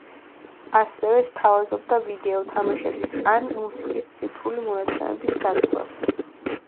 ასევე სთავაზობდა ვიდეო თამაშების ან მუსიკის ციფრული მონაცემების დაცვას.